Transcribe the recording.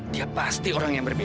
dia pasti orang yang berbeda